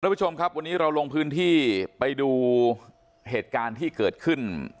ผู้ชมครับวันนี้เราลงพื้นที่ไปดูเหตุการณ์ที่เกิดขึ้น